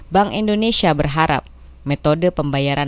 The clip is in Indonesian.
bank indonesia berharap metode pembayaran